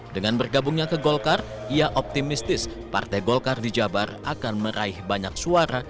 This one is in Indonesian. dengan bergabungnya ke golkar ia optimistis partai golkar di jabar akan meraih banyak suara